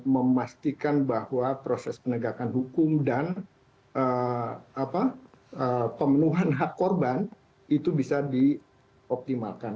memastikan bahwa proses penegakan hukum dan pemenuhan hak korban itu bisa dioptimalkan